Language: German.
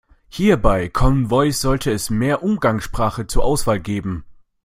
Hier bei Common Voice sollte es mehr Umgangssprache zur Auswahl geben.